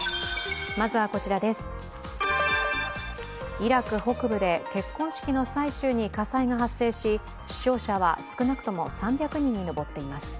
イラク北部で結婚式の最中に火災が発生し死傷者は少なくとも３００人の上っています。